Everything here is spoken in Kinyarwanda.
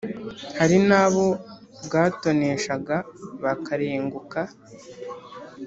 hari n’abo bwatoneshaga bakarenguka.